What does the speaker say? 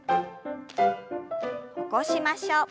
起こしましょう。